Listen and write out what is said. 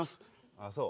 ああそう。